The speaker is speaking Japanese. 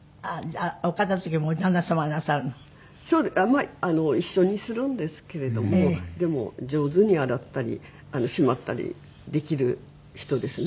まあ一緒にするんですけれどもでも上手に洗ったりしまったりできる人ですね。